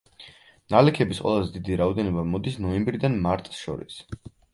ნალექების ყველაზე დიდი რაოდენობა მოდის ნოემბრიდან მარტს შორის.